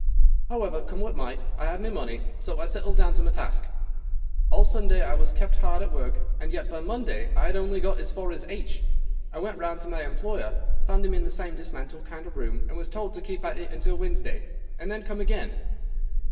However, come what might, I had my money, so I settled down to my task. All Sunday I was kept hard at work, and yet by Monday I had only got as far as H. I went round to my employer, found him in the same dismantled kind of room, and was told to keep at it until Wednesday, and then come again.